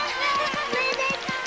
おめでとう！